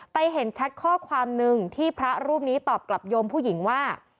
เห็นแชทข้อความหนึ่งที่พระรูปนี้ตอบกลับโยมผู้หญิงว่า